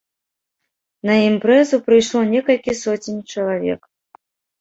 На імпрэзу прыйшло некалькі соцень чалавек.